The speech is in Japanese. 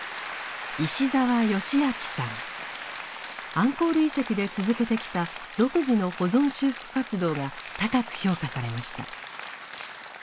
アンコール遺跡で続けてきた独自の保存修復活動が高く評価されました。